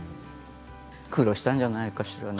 苦労したんじゃないですかね。